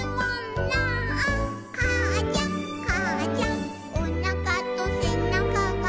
「かあちゃんかあちゃん」「おなかとせなかが」